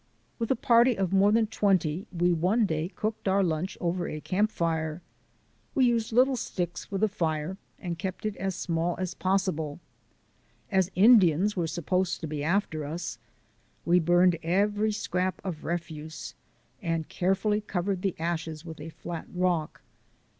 With a party of more than twenty we one day cooked our lunch over a camp fire. We used little sticks for the fire and kept it as small as possible. As Indians were supposed to be after us we burned every scrap of refuse and carefully covered the ashes with a flat rock.